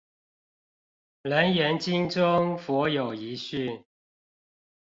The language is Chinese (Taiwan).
楞嚴經中佛有遺訓